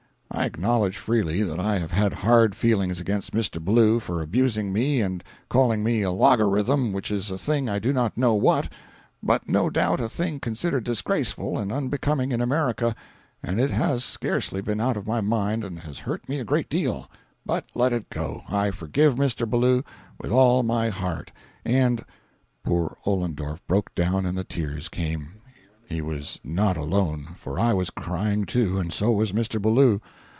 I acknowledge freely that I have had hard feelings against Mr. Ballou for abusing me and calling me a logarythm, which is a thing I do not know what, but no doubt a thing considered disgraceful and unbecoming in America, and it has scarcely been out of my mind and has hurt me a great deal—but let it go; I forgive Mr. Ballou with all my heart, and—" Poor Ollendorff broke down and the tears came. He was not alone, for I was crying too, and so was Mr. Ballou.